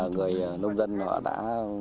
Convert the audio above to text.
người nông dân đã